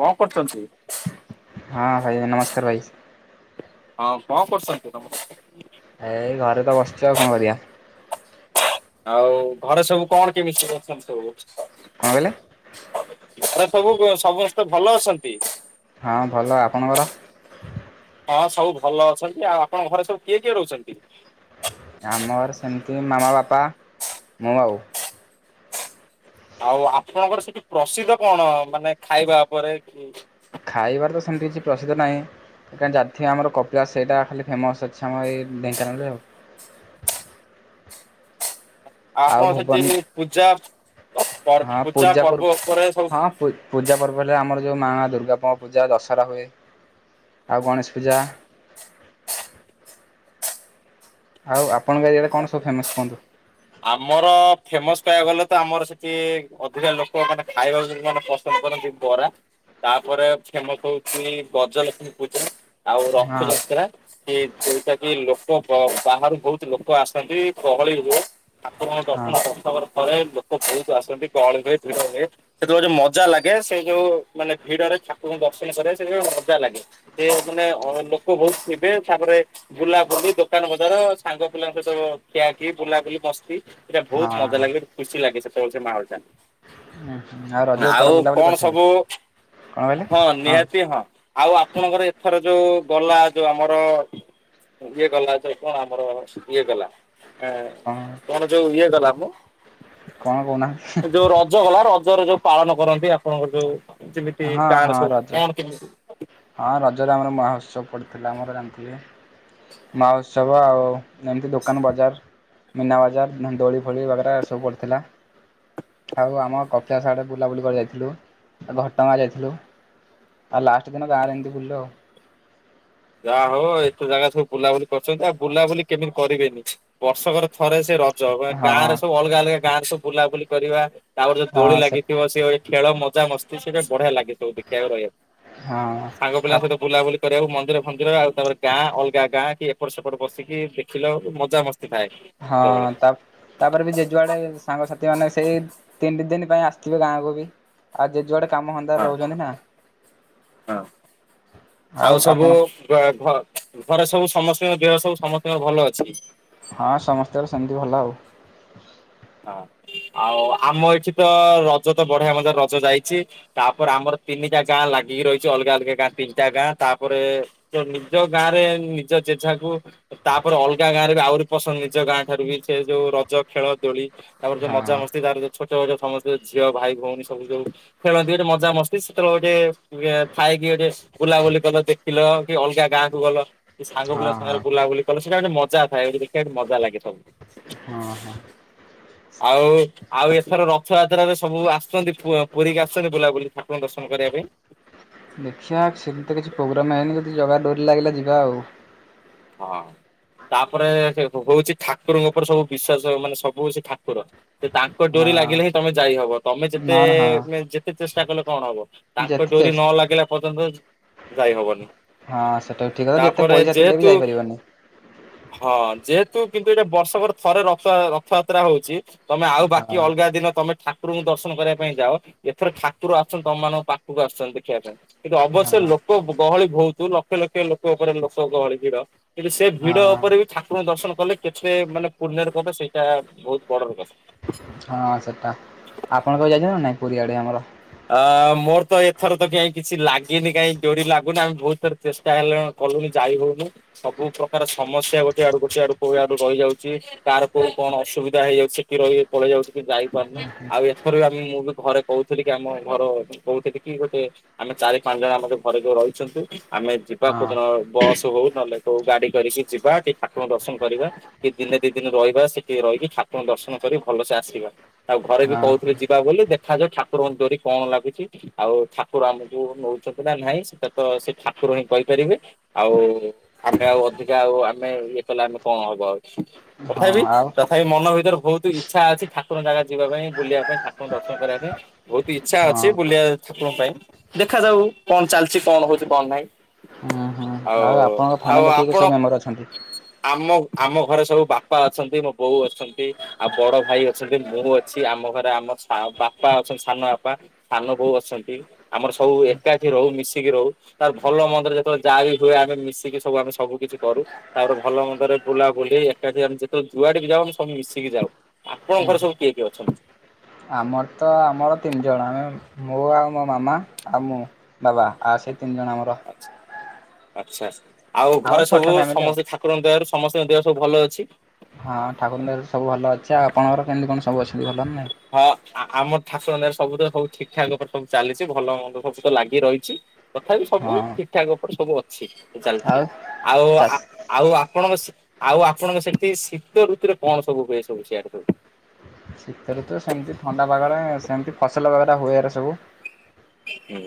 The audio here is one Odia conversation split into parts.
କଣ କରୁଚନ୍ତି? ହଁ ଭାଇ ନମସ୍କାର ଭାଇ। ହଁ କଣ କରୁସନ୍ତି ନମସ୍କାର। ଏଇ ଘରେ ତ ବସିଚି ଆଉ କଣ କରିଆ? ଆଉ ଘରେ ସବୁ କଣ କେମିତି ଅଛନ୍ତି ସବୁ? କଣ କହିଲେ? ଘରେ ସବୁ ବ-ସମସ୍ତେ ଭଲ ଅଛନ୍ତି। ହଁ ଭଲ ଆପଣଙ୍କର? ହଁ ସବୁ ଭଲ ଅଛନ୍ତି ଆଉ ଆପଣଙ୍କ ଘରେ ସବୁ କିଏ କିଏ ରହୁଚନ୍ତି? ଆମର ସେମିତି ମାମା ବାପା ମୁଁ ଆଉ। ଆଉ ଆପଣଙ୍କର ସେଠି ପ୍ରସିଦ୍ଧ କଣ ମାନେ ଖାଇବା ଉପରେ କି? ଖାଇବାରେ ତ ସେମିତି କିଛି ପ୍ରସିଦ୍ଧ ନାଇଁ। ଏଖାନି ଜାତୀୟ ଆମର କପିଳାସ୍ ସେଇଟା ଖାଲି ଫେମସ୍ ଅଛି ଆମ ଏଇ ଢେଙ୍କାନାଳରେ ଆଉ। ଆଉ ଆପଣଙ୍କ ସେଠି ପୂଜା ପର୍ ପୂଜା ପର୍ବ ଉପରେ ସବୁ ପୂ-ପୂଜା ପର୍ବ ହେଲେ ଆମର ଯୋଉଁ ମା ଦୁର୍ଗାଙ୍କ ପୂଜା ଦଶହରା ହୁଏ। ଆଉ ଗଣେଶ ପୂଜା ଆଉ ଆପଣଙ୍କ ଏରିଆ ରେ କଣ୍ ସବୁ ଫେମସ୍ କୁହନ୍ତୁ? ଆମର ଫେମସ୍ କହିବାକୁ ଗଲେ ତ ଆମର ସେଠି ଅଧିକା ଲୋକ ମାନେ ଖାଇବାକୁ ମାନେ ପସ୍ ପସନ୍ଦ୍ କରନ୍ତି ବରା ତାପରେ ଫେମସ ହଉଚି ଗଜଲକ୍ଷ୍ମୀ ପୂଜା ଆଉ ହଁ ରଥଯାତ୍ରା କି ଯେଉଟା କି ଲୋକ ବ-ବାହାରୁ ବହୁତ୍ ଲୋକ ଆସନ୍ତି ଗହଳି ହୁଏ। ଠାକୁରଙ୍କ ହଁ ଦର୍ଶନ ବର୍ଷକରେ ଥରେ ଲୋକ ବହୁତ ଆସନ୍ତି ଗହଳି ହୁଏ ଭିଡହୁଏ। ସେତେଳେ ଗୋଟେ ମଜାଲାଗେ ସେ ଯୋଉ ମାନେ ଭିଡରେ ଠାକୁଙ୍କୁ ଦର୍ଶନ କରିବା ସେତିକିବେଳେ ମଜା ଲାଗେ। ସେ ମାନେ ଅ ଲୋକ ବହୁତ୍ ଥିବେ ତାପରେ ବୁଲାବୁଲି ଦୋକାନ ବଜାର ସାଙ୍ଗ ପିଲାଙ୍କ ସହିତ ଖିଆଖି ବୁଲାବୁଲି ମସ୍ ସ୍ତି ସେଇଟା ବହୁତ ମଜା ହଁ। ଲାଗେ ଗୋଟେ ଖୁସି ଲାଗେ ସେତେବେଳେ ସେ ମାହୋଲ୍ ଟା। ଆଉ ରଜକୁ କୁଆଡ଼େ ଆଉ ବୁଲାବୁଲି କଣ କରିଥିଲେ? ସବୁ କଣ କହିଲେ? ହଁ ନିହାତି ହଁ। ଆଉ ଆପଣଙ୍କର ଏଥର ଯୋଉ ଗଲା ଯୋଉ ଆମର ଇଏ ଗଲା ତ କଣ ଆମର ଇଏ ଗଲା ଏଁ ହଁ। କଣ ଯୋଉ ଇଏ ଗଲା ମ କଣ କହୁନାହାନ୍ତି ଯୋଉ ହେଁ। ରଜ ଗଲା ରଜରେ ଯୋଉ ପାଳନ କରନ୍ତି ଆପଣଙ୍କର ଯୋଉ ଯେମିତି ହଁ ଗାଁରେ ହଁ ସବୁ ରଜ କଣ କେମିତି ହଁ ରଜରେ ଆମର ମହୋତ୍ସବ ପଡିଥିଲା ଆମର ଜାଣିଥିବେ। ମାଉତ୍ସବ ଆଉ ଏମିତି ଦୋକାନ ବଜାର୍ ମୀନା ବଜାର ମାନେ ଦୋଳି ଫୋଳି ବଗେରା ଏସବୁ ପଡିଥିଲା। ଆଉ ଆମ କପିଳାସ ଆଡେ ବୁଲାବୁଲି କରି ଯାଇଥିଲୁ ଆଉ ଘଟଗାଁ ଯାଇଥିଲୁ। ଆଉ ଲାଷ୍ଟ ଦିନ ଗାଁରେ ଏମିତି ବୁଲିଲୁ ଆଉ। ଯା ହଉ ଏତେ ଜାଗା ସବୁ ବୁଲାବୁଲି କରିଚନ୍ତି ଆଉ ବୁଲାବୁଲି କେଦିନି କରିବେନି ବର୍ଷକର ଥରେ ସେ ରଜ ହଁ ଗାଁ ରେ ସବୁ ଅଲଗା ଅଲଗା ଗାଁ ରେ ସବୁ ବୁଲାବୁଲି କରିବା ତାପରେ ଯୋଉ ଦୋଳି ଲାଗିଥିବ ସେ ଖେଳ ମଜା ମସ୍ତି ସେଟା ବଢିଆ ଲାଗିଥିବ ଦେଖିବାକୁ ରହିବାକୁ। ହଁ ଆ ସାଙ୍ଗ ପିଲାଙ୍କ ସହିତ ବୁଲାବୁଲି କରିବାକୁ ମନ୍ଦିର ମନ୍ଦିର ଆଉ ତାପରେ ଗାଁ ଅଲଗା ଗାଁ କି ଏପଟ ସେପଟ ବସିକି ଦେଖିଲ ମଜା ମସ୍ତି ଥାଏ। ହଁ ସେତେବେଳେ। ତା ତାପରେବି ଯିଏ ଯୁଆଡ଼େ ସାଙ୍ଗସାଥି ମାନେ ସେଇ ତିନି ଦିନ ପାଇଁ ଆସିଥିବେ ଗାଁକୁବି। ଆଉ ଯିଏଯୁଆଡ଼େ କାମ ହଁ ଧ୍ୟନ୍ଦାରେ ହୁଚନ୍ତିନା ହଁ। ଆଉ ଆପଣ ଘ ଘରେ ସବୁ ସମସ୍ତଙ୍କ ଦେହ ସବୁ ସମସ୍ତଙ୍କ ଭଲ ଅଛି। ହଁ ସମସ୍ତଙ୍କର ସେମିତି ଭଲ ଆଉ। ହଁ ଆଉ ଆମ ଏଇଠିତ ରଜତ ବଢିଆ ମଯାତ ରଜ ଯାଇଚି ତାପରେ ଆମର ତିନିଟା ଗାଁ ଲାଗିକି ରହିଚି ଅଲଗା ଅଲଗା ଗାଁ ତିନିଟା ଗାଁ ତାପରେ ତ ନିଜ ଗାଁରେ ନିଜ ଜେଝାକୁ ତାପରେ ଅଲଗା ଗାଁରେବି ଆହୁରି ପସନ୍ଦ ନିଜ ଗାଁ ଠାରୁବି ସେ ଯୋଉ ରଜ ଖେଳ ଦୋଳି ତାପରେ ଯୋଉ ହଁ ମଜା ମସ୍ତି ତାର ଯୋଉ ଛୋଟ ୋଟ ସମସ୍ତେ ଝିଅ ଭାଇ ଭଉଣୀ ସବୁ ଯୋଉ ଖେଳନ୍ତି ଗୋଟେ ମଜା ମସ୍ତି ସେତେବେଳେ ଗୋଟେ ଥାଇକି ଗୋଟେ ବୁଲାବୁଲି କଲ ଦେଖିଲ କିଅଲଗା ଗାଁକୁ ଗଲ କି ସାଙ୍ଗ ହଁ ପିଲା ହଁ। ସାଙ୍ଗରେ ବୁଲାବୁଲି କଲେ ସେଇଟା ଗୋଟେ ମଜା ଥାଏ ଦେଖିବା ମଜା ଲାଗେ ସବୁ ହଁ ହଁ। ଆଉ ଆଉ ଏଥର ରଥଯାତ୍ରାରେ ସବୁ ଆସଚନ୍ତି ପୁରୀକିି ଆସଚନ୍ତି ବୁଲାବୁଲି ଠାକୁରଙ୍କ ଦର୍ଶନ କରିବା ପାଇଁ। ଦେଖିବା ସେମିତିତ କିଛି ପ୍ରୋଗ୍ରାମ୍ ହେଇନି ଯଦି ଜାଗା ଡୋରି ଲାଗିଲା ଯିବା ଆଉ। ହଁ ତାପରେ ହଉଚି ଠାକୁରଙ୍କ ଉପରେ ସବୁ ବିଶ୍ଵାସ ମାନେ ସବୁ ସେଇ ଠାକୁର। ସେ ତାଙ୍କ ହଁ ଡୋରି ଲାଗିଲେହିଁ ତମେ ଯାଇହବ। ତମେ ଯେତେ ନହେଲେ ହଁ ଯେତେ ଚେଷ୍ଟା କଲେ କଣ ହବ ତାଙ୍କ ଯେତେ ଡୋରି ଚେଷ୍ ନଲାଗିଲା ପର୍ଯ୍ୟନ୍ତ ଯାଇ ହବନି। ହଁ ସେଇଟାବି ଠିକ୍ ଅଥା ଯେତେ ତାପରେ ପଇସା ଥିଲେବି ଯେହେତୁ ଯାଇପାରିବନି। ହଁ ଯେହେତୁ କିନ୍ତୁ ଏଇଟା ବର୍ଷକରେ ଥରେ ରଥ ରଥଯାତ୍ରା ହଉଚି ତମେ ଆଉ ହଁ ବାକି ଅଲଗା ଦିନ ତମେ ଠା ଠାକୁରଙ୍କୁ ଦର୍ଶନ କରିବା ପାଇଁ ଯାଅ ଏଥର ଠାକୁର ଆସଚନ୍ତି ତମମାନଙ୍କୁ ପାଖକୁ ଆସଛନ୍ତି ଦେଖିବା ପାଇଁ। କିନ୍ତୁ ଅବଶ୍ୟ ହଁ। ଲୋକ ଗହଳି ବହୁତୁ ଲକ୍ଷ ଲକ୍ଷ ଲୋକ ଉପରେ ଲୋକ ଗହଳି ଭିଡ଼ କିନ୍ତୁ ସେ ଭିଡ଼ ହଁ ଉପରେବି ଠାକୁରଙ୍କୁ ଦର୍ଶନ କଲେ କେତେ ମାନେ ପୂର୍ଣରେ କବ ସେଇଟା ବହୁତ୍ ବଡ଼ର କଥା। ହଁ ସେଇଟା ଆପଣ କଁ ଯାଇଚନ୍ତିନା ନାଇଁ ପୁରୀଆଡ଼େ ଆମର? ଅଁ ମୋରତ ଏଥରତ କାହିଁ କିଛି ଲାଗିନି କାହିଁ ଡୋରି ଲାଗୁନି ଆମେ ବହୁତ୍ ଥର ଚେଷ୍ଟା ହେଲାଣି କଲୁନି ଯାଇ ହଉନି ସବୁ ପ୍ରକାର ସମସ୍ୟା ଗୋଟେ ଆଡ଼ୁ ଗୋଟେ ଆଡ଼ୁ କୋଉ ଆଡ଼ୁ ରହିଯାଉଚି ତାର କୋଉ କଣ ଅସୁବିଧା ହେଇଯାଉଚି ଛେକି ରହି ପଳେଇ ଯାଉଚି କି ଯାଇପାରୁନି। ଆଉ ଏଥରବି ଆମେ ମୁଁ ବି ଘରେ କହୁଥିଲିକି ଆମ ଘର କହୁଥିଲିକି ଗୋଟେ ଆମେ ଚାରି ପାଞ୍ଚ ଜଣ ଆମ ଘରେ ଯୋଉ ରହିଚନ୍ତି ଆମେ ଯିବା ହଁ କୋଉଦିନ ବସ୍ ହଉ ନହେଲେ କୋଉ ଗାଡ଼ି କରିକି ଯିବା ଟିକେ ଠାକୁରଙ୍କଙ୍କୁ ଦର୍ଶନ କରିବା କି ଦିନେ ଦି ଦିନି ରହିବା ସେଠି ରହିକି ଠାକୁରଙ୍କୁ ଦର୍ଶନ କରି ଭଲସେ ଆସିବା ଆଉ ଘରେବି ହଁ କହୁଥିଲେ ଯିବା ବୋଲି ଦେଖାଯାଉ ଠାକୁରଙ୍କ ଡୋରି କଣ ଲାଗୁଚି ଆଉ ଠାକୁର ଆମକୁ ନେଉଚନ୍ତିନା ନାହିଁ ସେଟାତ ସେ ଠାକୁର ହିଁ କହିପାରିବେ ଆଉ ଆମେ ଆଉ ଅଧିକା ଆଉ ଆମେ ଇଏ କଲେ ଆମେ କଣ ହବ ଆଉ। ହଁ ତଥାପି ଆ ତଥାପି ମନ ଭିତରେ ବହୁତୁ ଇଚ୍ଛା ଅଛି ଠାକୁରଙ୍କ ଜାଗା ଯିବା ପାଇଁ ବୁଲିବା ପାଇଁ ଠାକୁରଙ୍କ ଦର୍ଶନ କରିବା ପାଇଁ ବହୁତ୍ ଇଚ୍ଛା ଅଛି ହଁ। ବୁଲିବା ଠାକୁରଙ୍କ ପାଇଁ ଦେଖାଯାଉ କଣ ଚାଲିଚି କଣ ହଉଚି କଣ ନାହିଁ ହୁଁ ହୁଁ ଆଉ ଆପଣଙ୍କ ଆଉ ଫ୍ୟାମିଲିରେ କିଏ କିଏ ଆପଣ ସବୁ ମେମ୍ବର ଅଛନ୍ତି? ଆମ ଆମ ଘରେ ସବୁ ବାପା ଅଛନ୍ତି ମୋ ବୋଉ ଅଛନ୍ତି। ଆଉ ବଡ଼ ଭାଇ ଅଛନ୍ତି ମୁଁ ଅଛି ଆମ ଘରେ ଆମ ସା ବାପା ଅଛନ୍ତି ସାନ ବାପା ସାନ ବୋଉ ଅଛନ୍ତି ଆମର ସବୁ ଏକାଠି ରହୁ ମିଶିକି ରହୁ। ତାର ଭଲ ମନ୍ଦରେ ଯେତେବେଳେ ଯାହା ବି ହୁଏ ଆମେ ମିଶିକି ସବୁ ଆମେ ସବୁ କିଛି କରୁ। ତାପରେ ଭଲ ମନ୍ଦରେ ବୁଲାବୁଲି ଏକାଠି ଆମେ ଯେତେଳେ ଯୁଆଡେ ବି ଯାଉ ସବୁ ମିଶିକି ଯାଉ। ଆପଣଙ୍କର ସବୁ କିଏ କିଏ ଅଛନ୍ତି? ଆମର ତ ଆମର ତିନି ଜଣ ଆମେ ମୁଁ ଆଉ ମୋ ମାମା ଆଉ ମୁଁ। ବାବା ଆ ସେଇ ତିନି ଜଣ ଆମର ଆଚ୍ଛା ଆଚ୍ଛା ଆଚ୍ଛା ଆଉ ଆମର ଘରେ ଛୋଟ ସବୁ ଫ୍ୟାମିଲି ଆଉ। ସମସ୍ତେ ଖା କୁର ଙ୍କ ଦୟାରୁ ସମସ୍ତିଙ୍କୁ ଦେହ ସବୁ ଭଲ ଅଛି। ହଁ ଠାକୁରଙ୍କ ଦୟାରୁ ସବୁ ଭଲ ଅଛି ଆ ଆପଣଙ୍କର କେମିତି କଣ ସବୁ ଅଛନ୍ତି ଭଲ ନା ନାହିଁ? ହଁ ଆ ଆମର ଠାକୁରଙ୍କ ଦୟାରୁ ସବୁ ତ ସବୁ ଠିକ୍ ଠାକ ଉପରେ ସବୁ ଚାଲିଚି ଭଲ ମନ୍ଦ ସବୁ ତ ଲାଗି ରହିଚି। ତଥାପି ସବୁ ହଁ ଠିକ୍ ଠାକ ଉପରେ ସବୁ ଅଛି ଚାଲିଚି ଆଉ ଆଉ ଚାଷ ଆ ଆଉ ଆପଣଙ୍କ ସ୍ ଆଉ ଆପଣଙ୍କ ସେଠି ଶୀତ ଋତୁରେ କଣ ସବୁ ହୁଏ ସବୁ ସିଆଡେ ସବୁ? ଶୀତଋତୁରେ ସେମିତି ଥଣ୍ଡା ପାଗରେ ସେମିତି ଫସଲ ବାଗଟା ହୁଏ ଏରା ସବୁ। ହୁଁ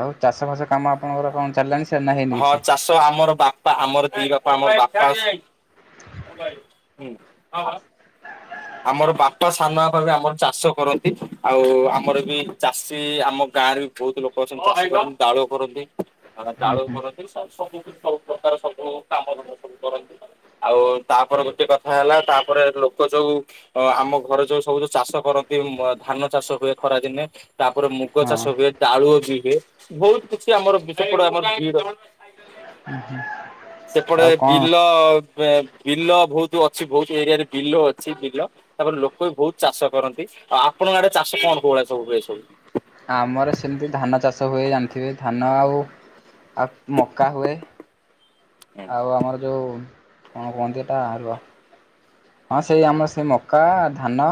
ଆଉ ଚାଷ ଫାଶ କାମ ଆପଣଙ୍କର କଁ ଚାଲିଲାଣି ସ୍ ହଁ ଚାଷ ଆମର ବାପା ଆମର ଦି ବାପା ଆମର ବାପା ଅ ଓ ଭାଈ ହୁଁ ଅହ ଆମର ବାପା ସାନ ବାପା ବି ଆମର ଚାଷ କରନ୍ତି ଆଉ ଆମର ବି ଚାଷୀ ଆମ ଗାଁରେ ବି ବହୁତ ଲୋକ ଅଛନ୍ତି ଚାଷ ଦାଳୁଅ କରନ୍ତି। ଆ ହୁଁ ଦାଳୁଅ ହୁଁ କରନ୍ତି ସ ସବୁ କି ସବୁ ପ୍ରକାର ସବୁ କାମଧନ୍ଦା ସବୁ କରନ୍ତି। ଆଉ ତାପରେ ଗୋଟେ କଥା ହେଲା ତାପରେ ଲୋକ ଯୋଉ ଅ ଆମ ଘରେ ଯୋଉ ସବୁ ଯୋଉ ଚାଷ କରନ୍ତି ମ ଧାନ ଚାଷ ହୁଏ ଖରା ଦିନେ ତାପରେ ମୁଗ ହଁ ଚାଷ ହୁଏ ଡାଳୁଅ ବି ହୁଏ ବହୁତ୍ କିଛି ଆମର ବିଷପୋଡ ଆମର ଭିଡ୍ ଅଛି। ଉଁ ହୁଁ ସେପଟେ ବିଲ ପାଏ ବିଲ ବହୁତୁ ଅଛି ବହୁତୁ ଏରିଆରେ ବିଲ ଅଛି ବି ଲ ତାପରେ ଲୋକ ବି ବହୁତ ଚାଷ କରନ୍ତି ଆଉ ଆପଣଙ୍କ ଆଡେ ଚାଷ କଣ କଉ ଭଳିଆ ସବୁ ହୁଏ ସବୁ? ଆମର ସେମିତି ଧାନ ଚାଷ ହୁଏ ଜାଣିଥିବେ ଧାନ ଆଉ ଆଉ ମକା ହୁଏ। ଆଉ ଆମର ଯଉ କଣ କୁହନ୍ତି ଏଟା ରୁହ ହଁ ସେଇ ଆମର ସେ ମକା, ଧାନ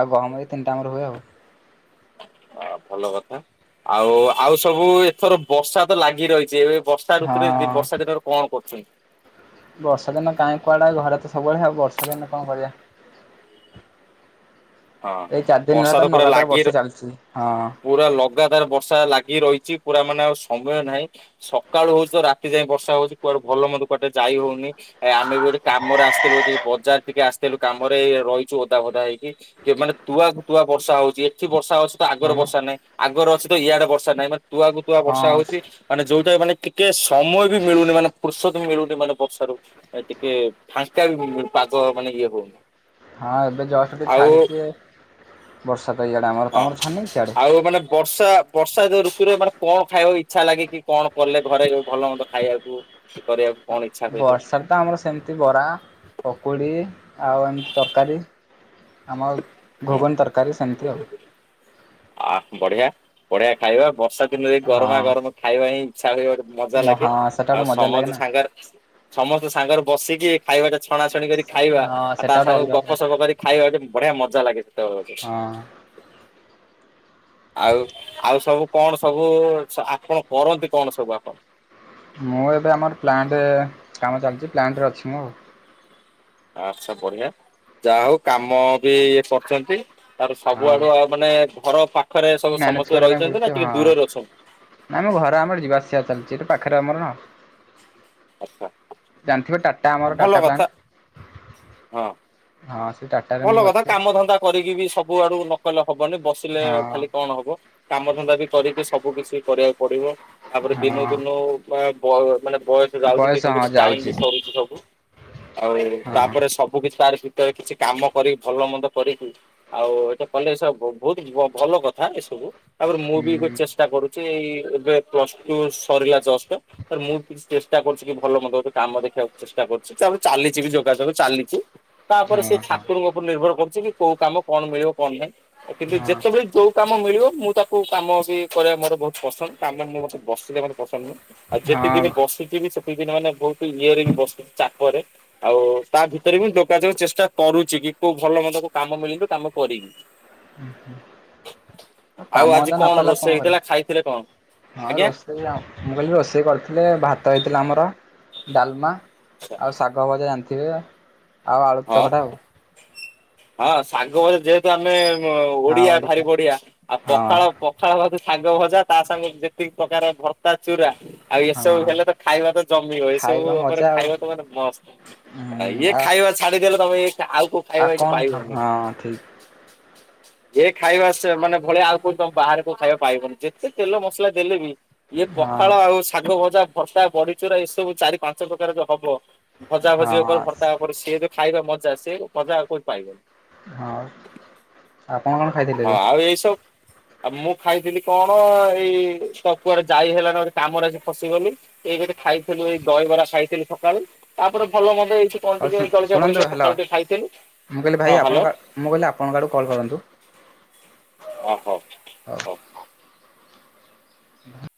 ଆଉ ଗହମ ଏ ତିନିଟା ଆମର ହୁଏ ଆଉ। ଅ ଭଲ କଥା ଆଉ ଆଉ ସବୁ ଏଥର ବର୍ଷା ତ ଲାଗି ରହିଚି ଏବେ ବ ର୍ଷା ହଁ ଋତୁରେ ଦି ବର୍ଷା ଦିନରେ କଣ କରୁଚନ୍ତି? ବର୍ଷା ଦିନ କାଇଁ କୁଆଡେ ଘରେତ ସବୁବେଳେ ଆଉ ବର୍ଷା ଦିନେ କଁ କରିବା ହଁ ଏଇ ଚାରିଦିନି ବର୍ଷା ତ ହେଲାତ ପୁରା ନଗାତାର ଲାଗି ବର୍ଷା ଚାଲିଚି ହଁ। ପୁରା ଲଗାତାର ବର୍ଷା ଲାଗି ରହିଚି ପୁରା ମାନେ ଆଉ ସମୟ ନାହିଁ। ସକାଳୁ ହଉଚି ତ ରାତି ଯାଏ ବର୍ଷା ହଉଚି କୁଆଡେ ଭଲ ମନ୍ଦ କୁଆଡେ ଟିଏ ଯାଇ ହଉନି। ଏ ଆମେ ବି ଗୋଟେ କାମରେ ଆସିଥିଲୁ ଏଟିକି ବଜାର ଟିକେ ଆସିଥିଲୁ କାମରେ ଏଇ ରହିଚୁ ଓଦା ଫୋଦା ହେଇକି। କେ ମାନେ ତୁଆକୁୁ ତୁଆ ବର୍ଷା ହଉଚି ଏଠି ବର୍ଷା ଅଛି ତ ଆଗରେ ଭଲ ବର୍ଷା ନାହିଁ ଆଗରେ ଅଛି ତ ଇଆଡେ ବର୍ଷା ନାହିଁ ମା ତୁଆକୁ ତୁଆ ହଁ ବର୍ଷା ହଉଚି। ମାନେ ଯୋଉଟା ମାନେ ଟିକେ ସମୟ ବି ମିଳୁନି ମାନେ ଫୁର୍ସତ ବି ମିଳୁନି ମାନେ ବର୍ଷାରୁ। ଏ ଟିକେ ଫାଙ୍କା ବି ହଉନି ଏ ପାଗ ମାନେ ଇଏ ହଉନି। ହଁ ଏବେ ଜଷ୍ଟ ଟିକେ ଆଉ ଛାଡିଚି ବର୍ଷା ତ ଇଆଡେ ଆମ ହଁ ଆଉ ମାନେ ବର୍ଷା ବର୍ଷା ଯଉ ଋତୁରେ ମାନେ କଁଅ ଖାଇବାକୁ ଇଚ୍ଛା ଲାଗେ କି କଣ କଲେ ଘରେ ଭଲ ମନ୍ଦ ଖାଇବାକୁ। [unintelligible] କରିଆକୁ କଣ ଇଚ୍ଛା [unintelligible] ବର୍ଷାରେ ତ ଆମର ସେମ୍ତି ବରା, ପକୁଡ଼ି ଆଉ ଏମ୍ତି ତରକାରୀ। ଆମର ହଁ ଆ ବଢିଆ-ବଢିଆ ଖାଇବା ବର୍ଷା ଦିନରେ ହଁ ଗରମା ଗରମ ଖାଇବା ହିଁ ଇଚ୍ଛା ହୁଏ [unintelligible] ମଜା ମ ଲାଗେ ହଁ ସେଟା ଆଉ ଗୋଟେ ମଜା ଲାଗେ ସମସ୍ତେ ନା ସାଙ୍ଗରେ ସମସ୍ତେ ସାଙ୍ଗରେ ବସିକି ଖାଇବା ଛଣାଛଣି କରି ଖାଇବା ହଁ ଆଉ ତା ସେଟା ଗୋଟେ ସାଙ୍ଗକୁ ଅଲଗା ଗପ ପ୍ର ସପ କରି ଖାଇବା ଗୋଟେ ବଢିଆ ମଜା ଲାଗେ [unintelligible] ହଁ ଆଉ-ଆଉ ସବୁ କଣ ସବୁ ଆପଣ କରନ୍ତି କଣ ସବୁ ଆପଣ? ମୁଁ ଏବେ ଆମର ପ୍ଲାଣ୍ଟେ କାମ ଚାଲିଚି ପ୍ଲାଣ୍ଟରେ ଅଛି ମୁଁ ଆଉ। ଆଚ୍ଛା ବଢିଆ ଯାହା ହଉ କାମ ବି ଇଏ କରୁଚନ୍ତି। ତାର ଆଉ ସବୁ ହଁ ଆଡୁଆ ମାନେ ଘର ପାଖରେ ସବୁ ମ୍ୟାନେଜ ସମସ୍ତେ କରିବା ପାଇଁ ରହିଚନ୍ତି ପଡୁଛି ନା ଟିକେ ହଁ ଦୂରରେ ଅଛନ୍ତି? ଆମ ଘରେ ଆମର ଯିବା ଆସିଆ ଚାଲିଚି ଏଠି ପାଖରେ ଆମର ନା। ଆଚ୍ଛା ଜାଣିଥିବେ ଟାଟା ଆମର ଭଲ ଟାଟା କଥା ପ୍ଲାଣ୍ଟ? ହଁ। ହଁ ସେ ଟାଟା ଭଲ କଥା କାମ ଧନ୍ଦା କରିକି ବି ସବୁ ଆଡୁ ନକଲେ ହବନି ବସିଲେ ଆଉ। ଖାଲି କଣ ହବ। କାମ ଧନ୍ଦା ବି କରିକି ସବୁ କିଛି କରିଆକୁ ପଡିବ ତାପରେ ହଁ ଦିନୁ-ଦିନୁ ହଁ ବା ବ ମାନେ ବୟସ ଯାଉଚି ହଁ [unintelligible] ଟାଇମ୍ ଯାଉଛି ବି ସରୁଚି ସବୁ। ଆଉ ହଁ ତାପରେ ସବୁ କିଛି ତାରି ଭିତରେ କିଛି କାମ କରିକି ଭଲ ମନ୍ଦ କରିକି ଆଉ ଏଇଟା କଲେ [unintelligible] ବହୁତ୍ ଭଲ କଥା ଏସବୁ। ତାପରେ ମୁଁ ବି ଗୋଟେ ହୁଁ। ଚେଷ୍ଟା କରୁଚି ଏବେ ପ୍ଲସ୍ଟୁ ସରିଲା ଜଷ୍ଟ। ତ ମୁଁ କିଛି ଚେଷ୍ଟା କରୁଚି କି ଭଲ ମନ୍ଦ ଗୋଟେ କାମ ଦେଖିବାକୁ ଚେଷ୍ଟା କରୁଚି ତାପରେ ଚାଲିଚି ବି ଯୋଗା ଯୋଗ ଚାଲିଚି। ତାପରେ ହଁ ସେ ହଁ [unintelligible] ଉପରେ ନିର୍ଭର କରୁଚି କି କୋଉ କାମ କଣ ମିଳିବ କଣ ନାହିଁ କିନ୍ତୁ ଯେତବେଳେ ଯୋଉ କାମ ମିଳିବ ମୁଁ ତାକୁ କାମ ବି କରିଆ ମୋର ବହୁତ୍ ପସନ୍ଦ ତାପରେ ମୁଁ ବସିଲେ ମତେ ପସନ୍ଦ ନୁହଁ। ଆଉ ଯେତେ ହଁ ଦିନ ବସିଥିବି ମାନେ ବହୁତ୍ ଇଏରେ ବି ବସିଥିବି ଚାପରେ ଆଉ ତା ଭିତରେ ବି ଯୋଗାଯଗ ଚେଷ୍ଟା କରୁଚି କି କୋଉ ଭଲ ମନ୍ଦ କୋଉ କାମ ମିଳିଲେ କାମ କରିବି। ହଁ ଆଉ କାମ ଆଜି ଅଧା ନ କଣ କଲେ ରୋଷେଇ କରିବି ହେଇଥିଲା ଖାଇଥିଲେ କଣ? ହଁ ରୋଷେଇ ମୁଁ କହିଲି ରୋଷେଇ କରିଥିଲେ ଭାତ ହେଇଥିଲା ଆମର। ଡାଲମା ଆଉ ଶାଗ ଭଜା ଜାଣିଥିବେ ଆଉ ଆଳୁ ହଁ ଚକଟା ଆଉ। ହଁ ଶାଗ ଭଜା ଯେହେତୁ ଆମେ ଓଡିଆ ଭାରି ବଢିଆ ଆଉ ହଁ ପଖାଳ ପଖାଳ ଭାତ ଶାଗ ଭଜା ତା ସାଙ୍ଗକୁ ଯେତିକି ପ୍ରକାର ଭ ତା ଚୁରା ଆଉ ଏସବୁ ହଁ ହେଲେ ତ ଖାଇବା ତ ଜମିବ ଏସବୁ ଖାଇବା ମଜା ଉପରେ ଆଉ ଖାଇବା ତ ମାନେ ମସ୍ତ। ହୁଁ ଇଏ ଆ ଖାଇବା ଛାଡିଦେଲେ ତମେ ଏ ଆଉ କୋଉ ଖାଇବା ଏଠି ପାଇବନି। ହୁଁ ଯେ ଖାଇବା ସେ ମାନେ ଭଳିଆ ଆଉ କୋଉଠି [unintelligible] ବାହାରେ କୋଉ ଖାଇବା ପାଇବନି, ଯେତେ ତେଲ ମସଲା ଦେଲେ ବି ଇଏ ହଁ ପଖାଳ ଆଉ ଶାଗ ଭଜା, ଭର୍ତା, ବଢ଼ିଚୁରା ଏସବୁ ଚାରି ପାଞ୍ଚ ପ୍ରକାର ଯୋଉ ହବ ଭଜା ଭଜି ଉପରେ ହଁ ଭର୍ତା ଉପରେ ସିଏ ଯୋଉ ଖାଇବା ମଜା ସିଏ ମଜା ଆଉ କୋଉଠି ପାଇବନି। ହଁ ଆପଣ କଣ ଖାଇଥିଲେ ହଁ ଏବେ? ଆଉ ଏଇ ସବୁ ଆଉ ମୁଁ ଖାଇଥିଲି କଣ ଏଇ ତ କୁଆଡେ ଯାଇ ହେଲାନି ଗୋଟେ କାମରେ ଆଜି ଫସିଗଲି ଏଇ ଗୋଟେ ଖାଇଥିଲୁ ଏଇ ଦହିବରା ଖାଇଥିଲୁ ସକାଳୁ ତାପରେ ଭଲ ମନ୍ଦ ହେଇଚି କଣ ହଉ ଟିକେ ଜଳଖିଆ ଶୁଣନ୍ତୁ ଫଳଖିଆ ହ୍ୟାଲୋ ସକାଳୁ ଟିକେ ଖାଇଥେଲୁ। ମୁଁ କହିଲି ଭାଇ ଆପଣଙ୍କ ମୁଁ କହିଲି ଆପଣଙ୍କ ଆଡ଼ୁ କଲ୍ କରନ୍ତୁ ଓହୋ। ହଉ। [inaudible]